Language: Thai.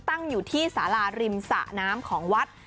ตั้งอยู่ที่สาราริมสะน้ำของวัด